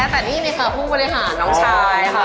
แต่นี่เลยค่ะผู้บริหารน้องชายค่ะ